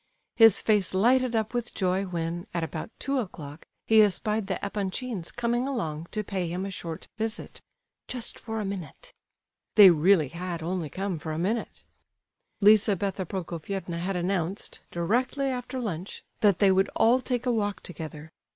His face lighted up with joy when, at about two o'clock, he espied the Epanchins coming along to pay him a short visit, "just for a minute." They really had only come for a minute. Lizabetha Prokofievna had announced, directly after lunch, that they would all take a walk together.